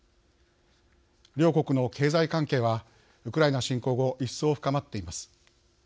両国の経済関係はウクライナ侵攻後一層、深まっています。